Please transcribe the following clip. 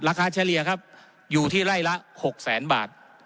ราคาเฉลี่ยครับอยู่ที่ไร่ละ๖๐๐๐๐๐บาท